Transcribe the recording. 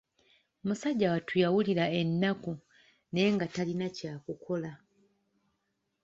Musajja wattu yawulira ennaku nga naye talina kyakukola.